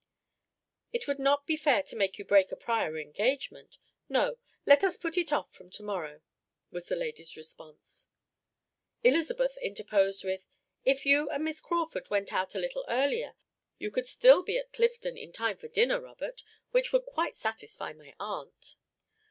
"It would not be fair to make you break a prior engagement. No, let us put it off from to morrow," was the lady's response. Elizabeth interposed with, "If you and Miss Crawford went out a little earlier, you could still be at Clifton in time for dinner, Robert, which would quite satisfy my aunt."